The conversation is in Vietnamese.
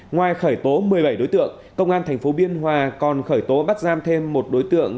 ngoài khởi tố một mươi bảy đối tượng công an tp biên hòa còn khởi tố bắt giam thêm một đối tượng